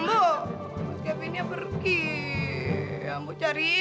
ambo mas kevinnya pergi ambo cari